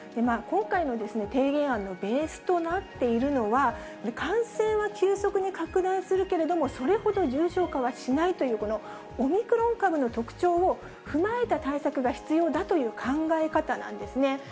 今回の提言案のベースとなっているのは、感染は急速に拡大するけれども、それほど重症化はしないという、このオミクロン株の特徴を踏まえた対策が必要だという考え方なんですね。